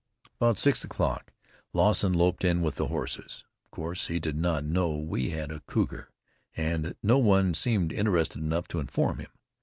About six o'clock Lawson loped in with the horses. Of course he did not know we had a cougar, and no one seemed interested enough to inform him.